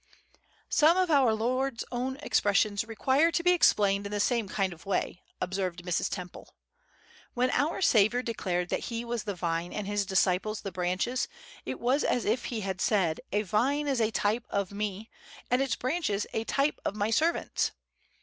"Some of our Lord's own expressions require to be explained in the same kind of way," observed Mrs. Temple. "When our Saviour declared that He was the Vine, and his disciples the branches, it was as if He had said, 'A vine is a TYPE of Me, and its branches a type of My servants.